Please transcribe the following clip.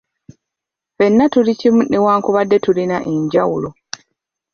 Ffenna tuli kimu newankubadde tulina enjawulo